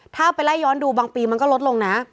ถ้าไปไล่ย้อนดูบางปีมันก็ลดลงนะ